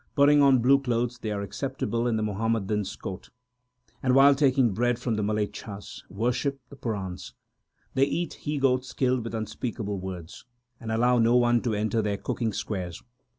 Putting on blue clothes, they are acceptable in the Muhammadans court, And, while taking bread from the malechhas, worship the Purans. They eat he goats killed with unspeakable words, 5 And allow no one to enter their cooking squares.